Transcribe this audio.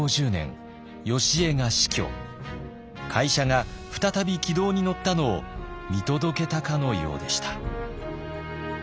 会社が再び軌道に乗ったのを見届けたかのようでした。